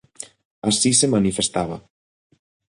Así se manifestaba.